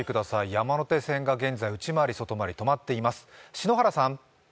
山手線が現在、内回り・外回り、止まっています。